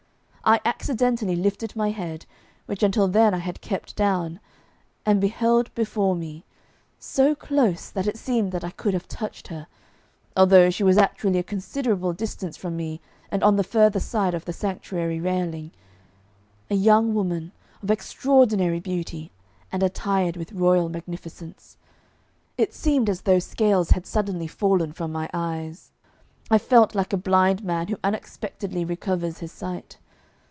I accidentally lifted my head, which until then I had kept down, and beheld before me, so close that it seemed that I could have touched her although she was actually a considerable distance from me and on the further side of the sanctuary railing a young woman of extraordinary beauty, and attired with royal magnificence. It seemed as though scales had suddenly fallen from my eyes. I felt like a blind man who unexpectedly recovers his sight.